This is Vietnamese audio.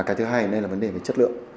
cái thứ hai ở đây là vấn đề về chất lượng